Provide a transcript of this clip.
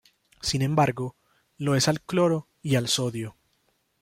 Sin embargo, lo es al cloro y al sodio.